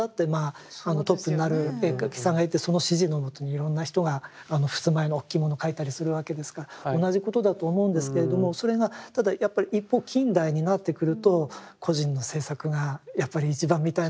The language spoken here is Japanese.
トップになる絵描きさんがいてその指示の下にいろんな人があのふすま絵の大きいもの描いたりするわけですから同じことだと思うんですけれどもそれがただやっぱり一方近代になってくると個人の制作がやっぱり一番みたいな。